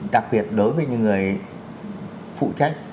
đặc biệt đối với những người phụ trách